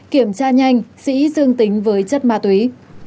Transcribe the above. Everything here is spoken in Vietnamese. kiểm tra nhanh sĩ dương tính với chất ma túy